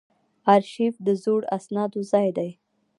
ارشیف د زړو اسنادو ځای دی